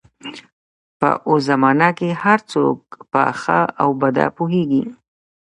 په اوس زمانه کې هر څوک په ښه او بده پوهېږي.